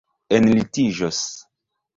enlitiĝos